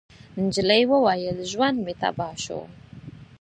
نجلۍ وويل: ژوند مې تباه شو.